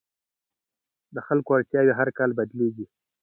د خلکو اړتیاوې هر کال بدلېږي.